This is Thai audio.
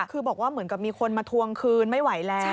คือบอกว่าเหมือนกับมีคนมาทวงคืนไม่ไหวแล้ว